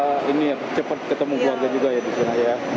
oh gitu memang biar ada ini ya cepat ketemu keluarga juga ya di sana ya